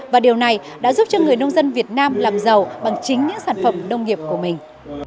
và điều này đã giúp cho người nông dân việt nam làm giàu bằng chính những sản phẩm nông nghiệp của mình